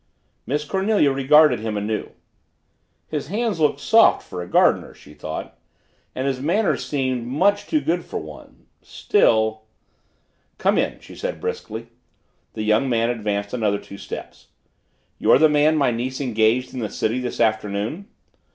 Miss Cornelia regarded him anew. His hands look soft for a gardener's, she thought. And his manners seem much too good for one Still "Come in," she said briskly. The young man advanced another two steps. "You're the man my niece engaged in the city this afternoon?"